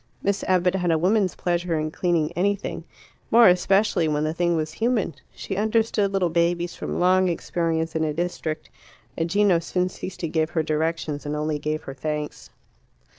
Miss Abbott had a woman's pleasure in cleaning anything more especially when the thing was human. She understood little babies from long experience in a district, and Gino soon ceased to give her directions, and only gave her thanks.